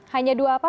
hanya dua apa